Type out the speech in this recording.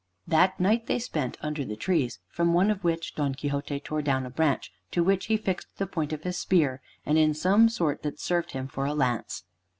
That night they spent under the trees, from one of which Don Quixote tore down a branch, to which he fixed the point of his spear, and in some sort that served him for a lance.